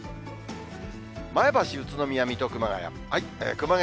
前橋、宇都宮、水戸、熊谷。